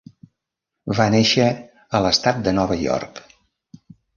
Va néixer a l'estat de Nova York.